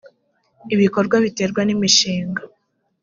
ibikorwa biterwa n’ imishinga